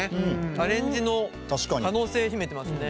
アレンジの可能性秘めてますね。